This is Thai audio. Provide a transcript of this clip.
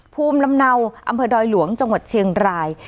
ภูมิลำเนาอำเภอดอยหลวงจังหวัดเชียงราย